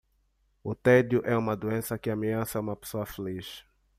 O tédio é uma doença que ameaça uma pessoa feliz.